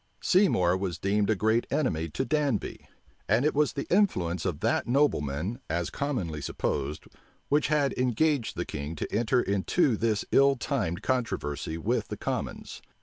Seymour was deemed a great enemy to Danby; and it was the influence of that nobleman, as commonly supposed, which had engaged the king to enter into this ill timed controversy with the commons.